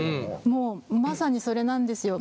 もうまさにそれなんですよ。